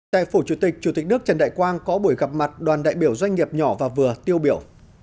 tại phủ chủ tịch chủ tịch nước trần đại quang có buổi gặp mặt đoàn đại biểu doanh nghiệp nhỏ và vừa tiêu biểu